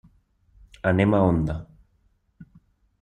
Anem a Onda.